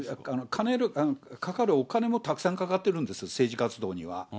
かかるお金もたくさんかかってるんです、政治活動には。